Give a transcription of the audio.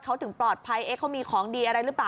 เขาถึงปลอดภัยเอ๊ะเขามีของดีอะไรหรือเปล่า